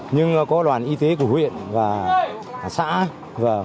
nhưng có đoàn y tế của huyện và xã